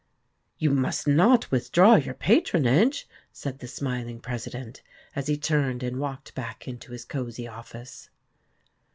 " You must not withdraw your patronage," said the smiling president, as he turned and walked back into his cozy office.